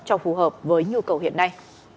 cho phù hợp với nhu cầu hiện nay